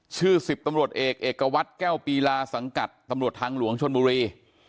ชื่อ๑๐ตำรวจเอกเอกวัตรแก้วปีลาสังกัดตำรวจทางหลวงชนบุรี